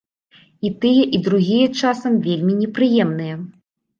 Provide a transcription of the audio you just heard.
І тыя, і другія, часам, вельмі непрыемныя.